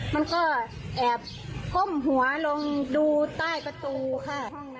มันก็แอบก้มหัวลงดูใต้ประตูค่ะ